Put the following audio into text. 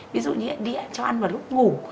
ví dụ như đi ăn cho ăn vào lúc ngủ